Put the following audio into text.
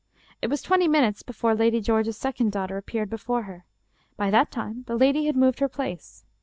It was twenty minutes before Lady George's second daughter appeared before her. By that time the lady had moved her place.